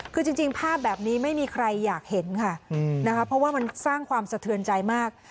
คือจริงภาพแบบนี้ไม่มีใครอยากเห็นค่ะนะคะเพราะว่ามันสร้างความสะเทือนใจมาก